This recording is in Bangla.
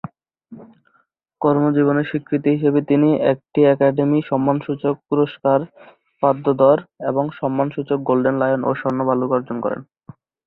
কর্মজীবনের স্বীকৃতি হিসেবে তিনি একটি একাডেমি সম্মানসূচক পুরস্কার, পাল্ম দর, এবং সম্মানসূচক গোল্ডেন লায়ন ও স্বর্ণ ভল্লুক অর্জন করেন।